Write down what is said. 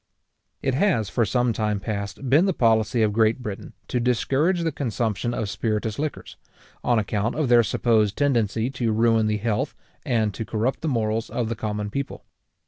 It has for some time past been the policy of Great Britain to discourage the consumption of spiritous liquors, on account of their supposed tendency to ruin the health and to corrupt the morals of the common people.